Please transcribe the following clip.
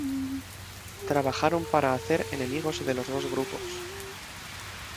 Trabajaron para hacer enemigos de los dos grupos.